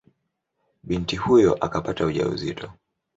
Binti huyo akapata ujauzito.